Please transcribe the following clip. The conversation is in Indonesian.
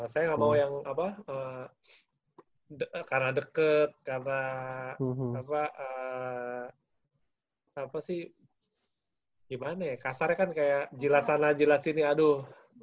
saya nggak mau yang apa karena deket karena apa sih gimana ya kasarnya kan kayak jelas sana jelas ini aduh